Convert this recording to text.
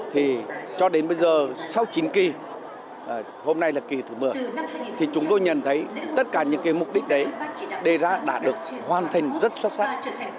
thì cho đến bây giờ sau chín kỳ hôm nay là kỳ thứ một mươi thì chúng tôi nhận thấy tất cả những cái mục đích đấy đề ra đã được hoàn thành rất xuất sắc